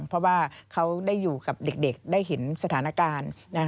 เพราะว่าเขาได้อยู่กับเด็กได้เห็นสถานการณ์